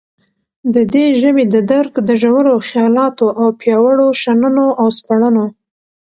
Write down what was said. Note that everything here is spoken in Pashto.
ددي ژبي ددرک دژورو خیالاتو او پیاوړو شننو او سپړنو